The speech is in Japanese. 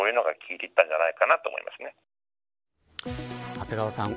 長谷川さん